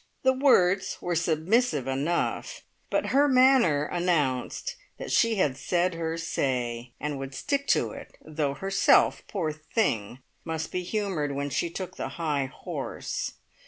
The words were submissive enough, but her manner announced that she had said her say, and would stick to it, though Herself, poor thing, must be humoured when she took the high horse.